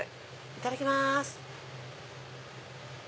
いただきます。